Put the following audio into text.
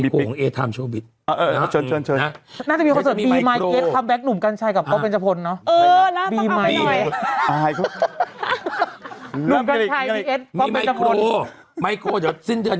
มีอะไรอีกครับเอาไว้ก่อน